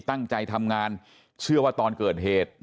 ตั้งใจทำงานเชื่อว่าตอนเกิดเหตุ